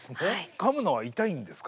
かむのは痛いんですか？